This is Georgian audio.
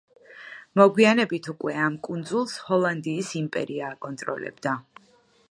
მოგვიანებით უკვე ამ კუნძულს ჰოლანდიის იმპერია აკონტროლებდა.